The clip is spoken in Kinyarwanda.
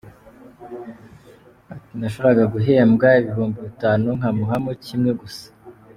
Ati “Nashoboraga guhembwa ibihumbi bitanu nkamuhamo kimwe gusa.